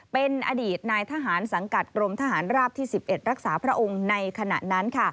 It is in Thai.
เป็นอดีตนายทหารสังกัดกรมทหารราบที่๑๑รักษาพระองค์ในขณะนั้น